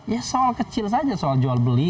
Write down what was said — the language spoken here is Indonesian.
ya soal kecil saja soal jual beli